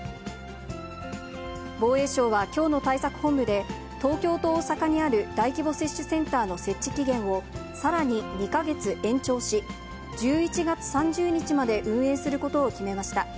防衛省はきょうの対策本部で、東京と大阪にある大規模接種センターの設置期限をさらに２か月延長し、１１月３０日まで運営することを決めました。